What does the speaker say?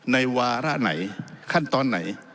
วาระไหนขั้นตอนไหน